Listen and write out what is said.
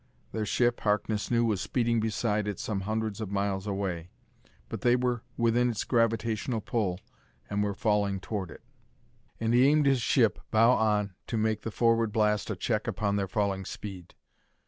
Their ship, Harkness knew, was speeding beside it some hundreds of miles away. But they were within its gravitational pull, and were falling toward it. And he aimed his ship bow on to make the forward blast a check upon their falling speed.